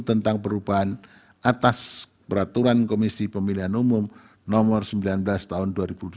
tentang perubahan atas peraturan komisi pemilihan umum nomor sembilan belas tahun dua ribu delapan belas